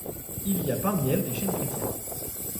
Il y'a parmi elles des chaînes chrétiennes.